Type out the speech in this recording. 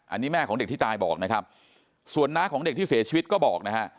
อันนี้แม่ของเด็กที่ตายบอกนะครับส่วนน้าของเด็กที่เสียชีวิตก็บอกนะฮะ